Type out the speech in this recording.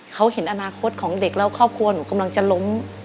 เขาเห็นอนาคตของเด็กแล้วครอบครัวหนูกำลังจะล้ม